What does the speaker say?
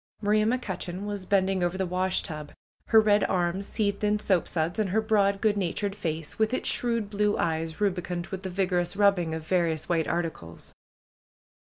Maria McCutcheon was bending over the washtub, her red arms seethed in soapsuds, and her broad, good natured face, with its shrewd blue eyes rubicund with the vigorous rubbing of various white articles.